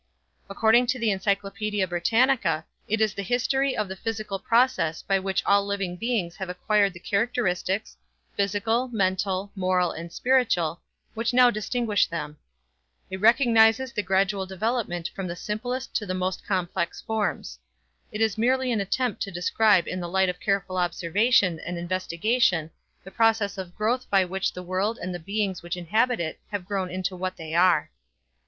According to the Encyclopedia Britannica it is the history of the physical process by which all living beings have acquired the characteristics, physical, mental, moral, and spiritual, which now distinguish them. It recognizes the gradual development from the simplest to the most complex forms. It is merely an attempt to describe in the light of careful observation and investigation the process of growth by which the world and the beings which inhabit it have grown into what they are.